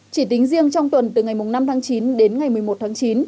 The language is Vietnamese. chỉ tính riêng trong tuần từ ngày năm tháng chín đến ngày một mươi một tháng chín